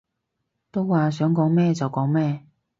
都話想講咩就講咩